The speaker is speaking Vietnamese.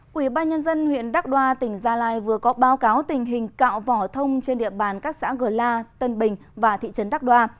quỹ ba nhân dân huyện đắk đoa tỉnh gia lai vừa có báo cáo tình hình cạo vỏ thông trên địa bàn các xã gờ la tân bình và thị trấn đắk đoa